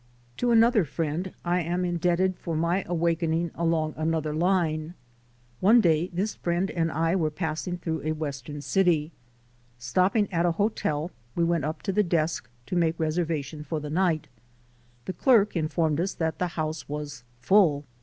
To another friend I am indebted for my awaken ing along another line. One day this friend and I were passing through a western city. Stopping at AMERICAN PHILOSOPHY OF LIFE 289 a hotel, we went up to the desk to make reservation for the night. The clerk informed us that the house was "full."